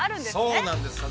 ◆そうなんですよ。